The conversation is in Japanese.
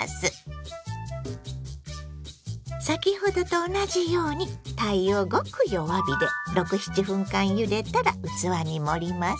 先ほどと同じようにたいをごく弱火で６７分間ゆでたら器に盛ります。